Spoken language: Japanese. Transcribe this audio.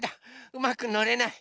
うまくのれない。